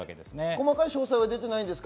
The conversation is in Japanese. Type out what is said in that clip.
細かい詳細は出ていないんですか？